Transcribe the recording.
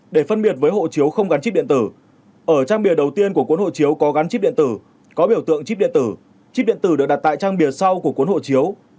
để phân biệt với hộ chiếu không gắn chip điện tử ở trang bìa đầu tiên của cuốn hộ chiếu có gắn chip điện tử có biểu tượng chip điện tử chip điện tử được đặt tại trang bìa sau của cuốn hộ chiếu